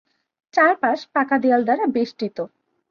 চারপাশ পাকা দেয়াল দ্বারা বেষ্টিত।